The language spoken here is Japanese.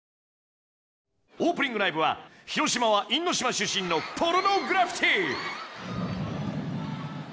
オープニングライブは広島は因島出身のポルノグラフィティ。